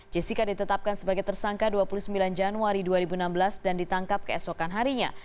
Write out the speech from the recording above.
jessica ditetapkan sebagai tersangka dua puluh sembilan januari dua ribu enam belas dan ditangkap keesokan harinya